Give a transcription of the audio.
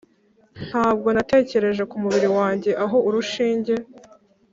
ntabwo natekereje kumubiri wanjye aho urushinge.